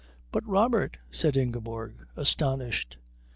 "But Robert " said Ingeborg, astonished.